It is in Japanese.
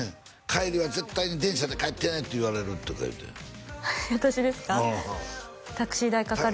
「帰りは絶対に電車で帰ってねって言われる」とか言うて私ですか？